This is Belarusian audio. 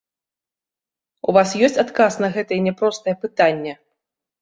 У вас ёсць адказ на гэтае няпростае пытанне?